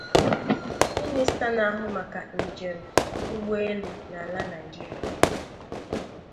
Minista na-ahụ maka njem ụgbọelu n'ala Nigeria